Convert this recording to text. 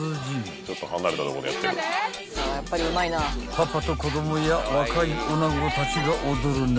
［パパと子供や若いおなごたちが踊る中］